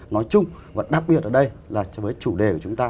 nói chung và đặc biệt ở đây là với chủ đề của chúng ta